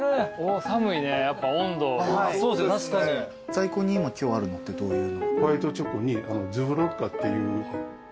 在庫に今今日あるのってどういうの。